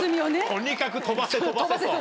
とにかく飛ばせ飛ばせと。